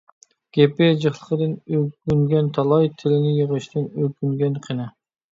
گېپى جىقلىقىدىن ئۆكۈنگەن تالاي، تىلىنى يىغىشتىن ئۆكۈنگەن قېنى؟